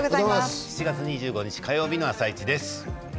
７月２５日火曜日の「あさイチ」です。